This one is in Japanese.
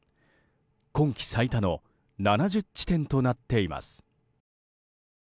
今季最多の７０地点となっています。